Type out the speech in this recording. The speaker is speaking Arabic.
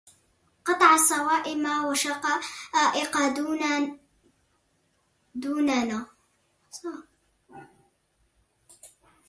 قطع الصوائم والشقائق دوننا